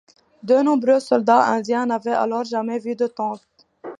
De nombreux soldats indiens n'avaient alors jamais vu de tanks.